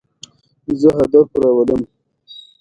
هوا د افغانستان یوه طبیعي ځانګړتیا ده.